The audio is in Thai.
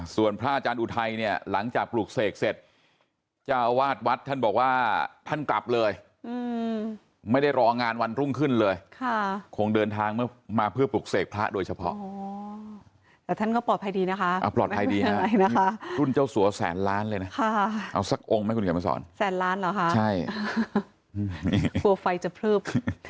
แสนล้านเหรอค่ะครัวไฟจะเพิ่ม